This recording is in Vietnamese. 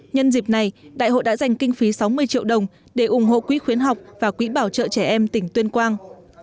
nhân dịp này đại hội đã dành kinh phí sáu mươi triệu đồng để ủng hộ quỹ khuyến học và quỹ bảo trợ trẻ em tỉnh tuyên quang